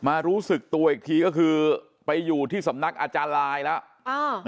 รู้สึกตัวอีกทีก็คือไปอยู่ที่สำนักอาจารย์ลายแล้ว